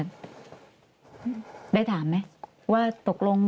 ได้ถามไหมว่าตกลง